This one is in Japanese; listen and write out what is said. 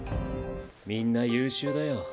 みんな優秀だよ。